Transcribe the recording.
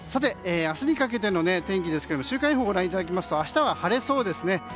明日にかけての天気ですが週間予報をご覧いただきますと明日は晴れそうですね。